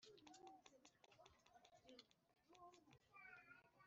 Afurika y Iburasirazuba ari na we ugomba kuyiyobora